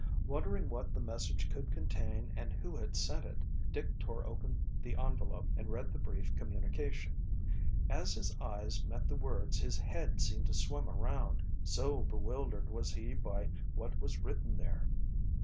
Wondering what the message could contain and who had sent it, Dick tore open the envelope and read the brief communication. As his eyes met the words his head seemed to swim around, so bewildered was he by what was written there.